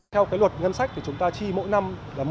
theo luật ngân sách thì chúng ta chi mỗi năm